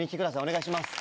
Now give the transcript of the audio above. お願いします。